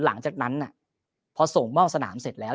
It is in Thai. หลังจากนั้นพอส่งมอบสนามเสร็จแล้ว